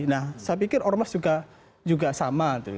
nah saya pikir ormas juga sama